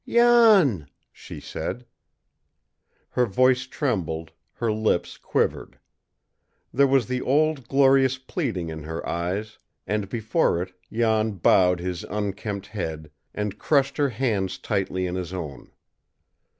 "Jan!" she said. Her voice trembled; her lips quivered. There was the old glorious pleading in her eyes, and before it Jan bowed his unkempt head, and crushed her hands tightly in his own.